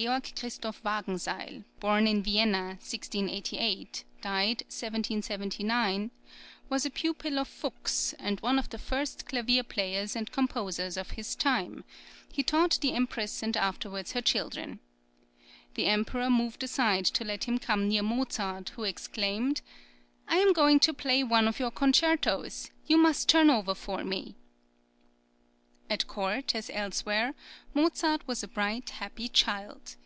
(Georg Christoph Wagenseil born in Vienna, 1688; died, 1779) was a pupil of Fux, and one of the first {EARLY JOURNEYS.} (28) clavier players and composers of his time: he taught the Empress and afterwards her children. The Emperor moved aside to let him come near Mozart, who exclaimed: "I am going to play one of your concertos; you must turn over for me." At court, as elsewhere, Mozart was a bright, happy child.